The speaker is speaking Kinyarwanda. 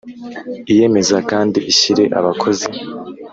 Iyemeze kandi ishyire abakozi